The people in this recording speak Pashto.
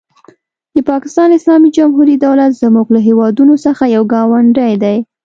د پاکستان اسلامي جمهوري دولت زموږ له هېوادونو څخه یو ګاونډی دی.